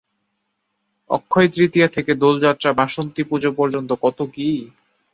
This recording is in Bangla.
অক্ষয়তৃতীয়া থেকে দোলযাত্রা বাসন্তীপুজো পর্যন্ত কত কী।